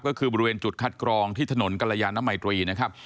ก็คือบริเวณจุดคัดกรองที่ถนนกรยานมัยตรีนะครับ